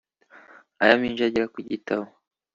ayaminjagira ku gitabo